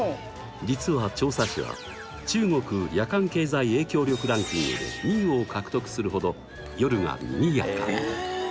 実は長沙市は中国夜間経済影響力ランキングで２位を獲得するほど夜が賑やか！